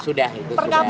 sudah itu sudah